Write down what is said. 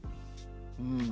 うん。